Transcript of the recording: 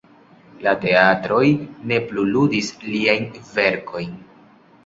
La teatroj ne plu ludis liajn verkojn.